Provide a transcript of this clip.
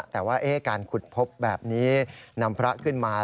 แต่ว่าการขุดพบแบบนี้นำพระขึ้นมา